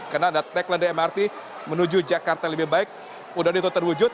karena ada tagline dari mrt menuju jakarta yang lebih baik udah itu terwujud